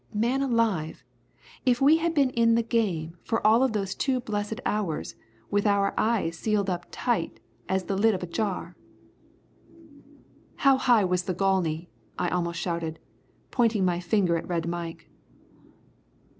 Man alive! We had been in the game for all of those two blessed hours with our eyes sealed up tight as the lid of a jar. "How high was the Gauley?" I almost shouted, pointing my finger at Red Mike.